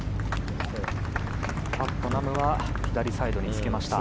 パットナムは左サイドにつけました。